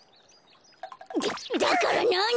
だだからなに！？